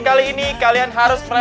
coba kamar tersenyum